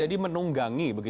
jadi menunggangi begitu